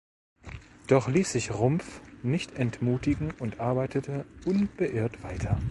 Doch ließ sich Rumpf nicht entmutigen und arbeitete unbeirrt weiter.